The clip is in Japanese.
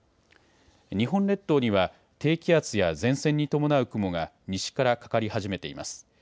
日本列島には低気圧や前線に伴う雲が西からかかり始めています。